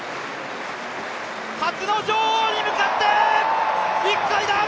初の女王に向かって、１回だ！